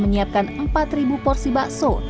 menyiapkan empat porsi bakso